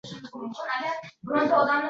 O`n ikki ming bera qoling